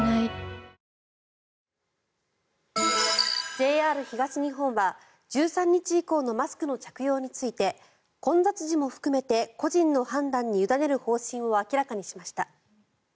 ＪＲ東日本は１３日以降のマスクの着用について混雑時も含めて個人の判断に委ねる方針を明らかにしました。